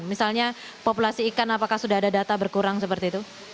misalnya populasi ikan apakah sudah ada data berkurang seperti itu